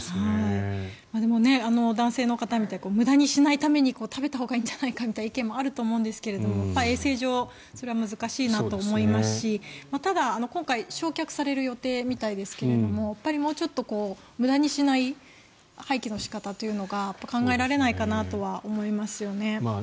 でも、男性の方みたいに無駄にしないためにも食べたほうがいいんじゃないかみたいな意見もあると思うんですが衛生上、それは難しいなと思いますしただ、今回焼却される予定みたいですけどやっぱりもうちょっと無駄にしない廃棄の仕方というのが考えられないかなとは思いますよね。